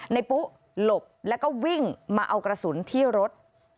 ปุ๊หลบแล้วก็วิ่งมาเอากระสุนที่รถ